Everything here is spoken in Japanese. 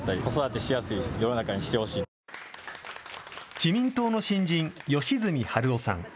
自民党の新人、吉住栄郎さん。